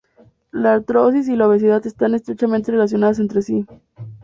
La artrosis y la obesidad están estrechamente relacionadas entre sí.